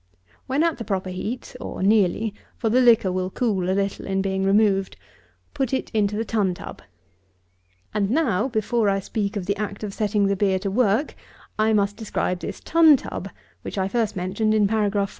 When at the proper heat, or nearly, (for the liquor will cool a little in being removed,) put it into the tun tub. And now, before I speak of the act of setting the beer to work, I must describe this tun tub, which I first mentioned in Paragraph 42.